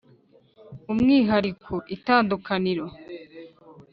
umwihariko: itandukaniro.